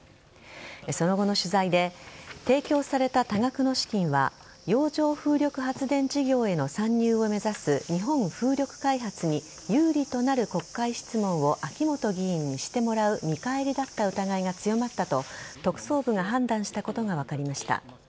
その後の取材で提供された多額の資金は洋上風力発電事業への参入を目指す日本風力開発に有利となる国会質問を秋本議員にしてもらう見返りだった疑いが強まったと特捜部が判断したことが分かりました。